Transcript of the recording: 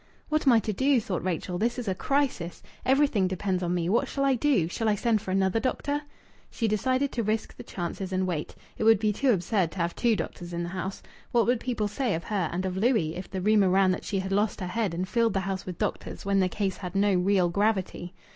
"What am I to do?" thought Rachel. "This is a crisis. Everything depends on me. What shall I do? Shall I send for another doctor?" She decided to risk the chances and wait. It would be too absurd to have two doctors in the house. What would people say of her and of Louis, if the rumour ran that she had lost her head and filled the house with doctors when the case had no real gravity?